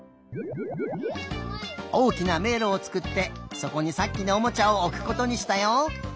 おおきなめいろをつくってそこにさっきのおもちゃをおくことにしたよ。